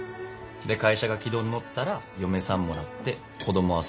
で会社が軌道に乗ったら嫁さんもらって子供は最低５人。